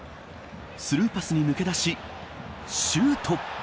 スルーパスに抜け出しシュート。